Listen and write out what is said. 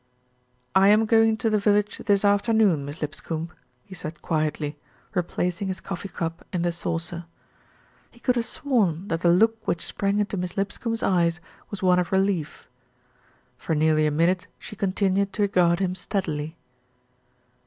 "I am going into the village this afternoon, Miss Lipscombe," he said quietly, replacing his coffee cup in the saucer. He could have sworn that the look which sprang into Miss Lipscombe's eyes was one of relief. For nearly a minute she continued to regard him steadily.